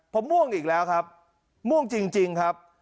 ผมม่วงอีกแล้วครับม่วงจริงครับ